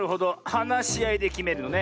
はなしあいできめるのね。